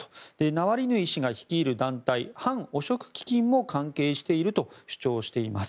ナワリヌイ氏が率いる団体反汚職基金も関係していると主張しています。